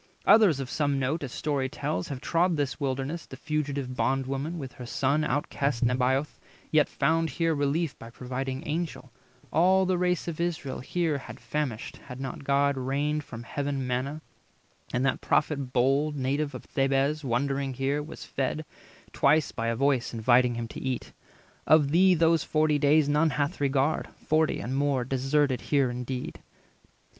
Others of some note, As story tells, have trod this wilderness: The fugitive Bond woman, with her son, Outcast Nebaioth, yet found here relief By a providing Angel; all the race 310 Of Israel here had famished, had not God Rained from heaven manna; and that Prophet bold, Native of Thebez, wandering here, was fed Twice by a voice inviting him to eat. Of thee those forty days none hath regard, Forty and more deserted here indeed."